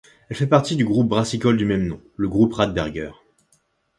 Elle fait partie du groupe brassicole du même nom, le groupe Radeberger.